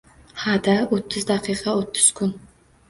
— Ha-da. O‘ttiz daqiqa. O‘ttiz kun.